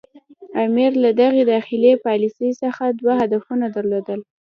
امیر له دغې داخلي پالیسي څخه دوه هدفونه درلودل.